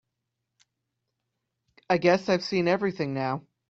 I guess I've seen everything now.